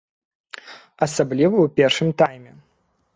Асабліва ў першым тайме.